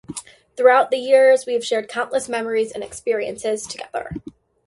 Throughout the years, we have shared countless memories and experiences together.